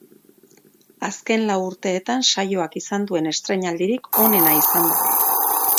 Azken lau urteetan saioak izan duen estreinaldirik onena izan da.